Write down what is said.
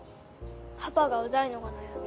パパがうざいのが悩み。